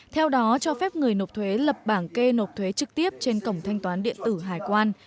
theo đó cho phép người nộp thuế lập bảng kê nộp thuế trực tiếp trên cổng thanh toán điện tử hải quan